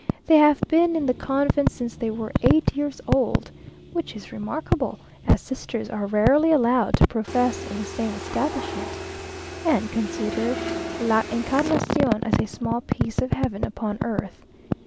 They have been in the convent since they were eight years old (which is remarkable, as sisters are rarely allowed to profess in the same establishment), and consider La Encarnación as a small piece of heaven upon earth.